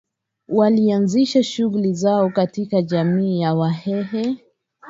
walianzisha shughuli zao katika jamii ya Wahehe